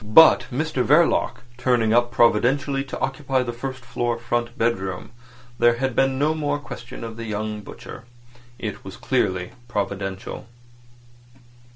But Mr Verloc, turning up providentially to occupy the first floor front bedroom, there had been no more question of the young butcher. It was clearly providential.